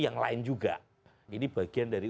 yang lain juga ini bagian dari